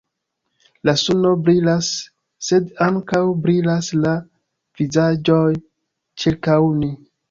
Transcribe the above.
La suno brilas, sed ankaŭ brilas la vizaĝoj ĉirkaŭ ni.